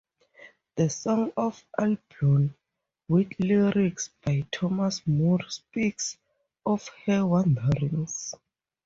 'The Song of Albion', with lyrics by Thomas Moore speaks of her wanderings.